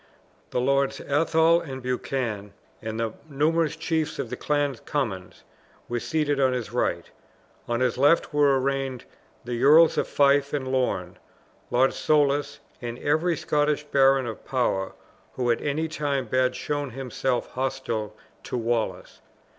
The Lords Athol and Buchan, and the numerous chiefs of the clans of Cummin, were seated on his right: on his left were arranged the Earls of Fife and Lorn, Lord Soulis, and every Scottish baron of power who at any time bad shown himself hostile to Wallace.